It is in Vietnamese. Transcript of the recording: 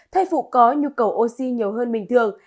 thai phụ có nhu cầu oxy nhiều hơn bình thường